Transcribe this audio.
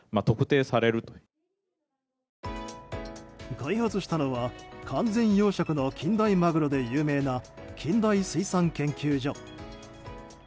開発したのは完全養殖の近大マグロで有名な近大水産研究所。